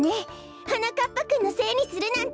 はなかっぱくんのせいにするなんて。